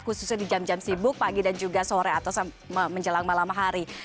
khususnya di jam jam sibuk pagi dan juga sore atau menjelang malam hari